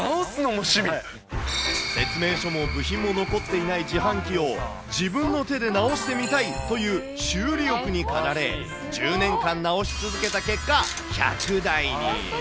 説明書も部品も残っていない自販機を、自分の手で直してみたいという修理欲にかられ、１０年間直し続けた結果、１００台に。